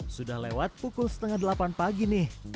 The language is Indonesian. sudah lewat pukul setengah delapan pagi nih